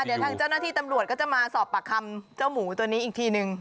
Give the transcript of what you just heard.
เดี๋ยวทางเจ้าหน้าที่ตำรวจก็จะมาสอบปากคำเจ้าหมูตัวนี้อีกทีนึง